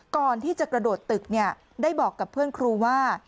ก่อนที่จะกระโดดตึกได้บอกกับเพื่อนครูว่า